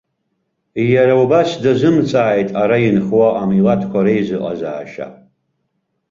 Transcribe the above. Иара убас дазымҵааит ара инхо амилаҭқәа реизыҟазаа шьа.